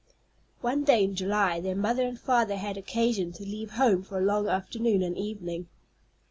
One day in July their mother and father had occasion to leave home for a long afternoon and evening.